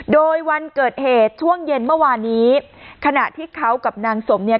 โดยวันเกิดเหตุช่วงเย็นเมื่อวานนี้ขณะที่เขากับนางสมเนี่ย